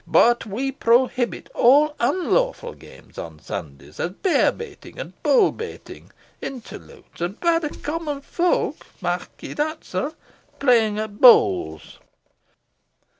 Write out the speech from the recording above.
But we prohibit all unlawful games on Sundays, as bear baiting and bull baiting, interludes, and, by the common folk mark ye that, sir playing at bowls."